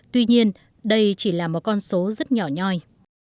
tuy nhiên đây chỉ là một con số rất nhỏ nhoi